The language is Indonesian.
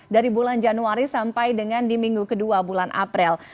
dari bulan januari sampai dengan di minggu kedua bulan april